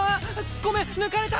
ごめん抜かれた！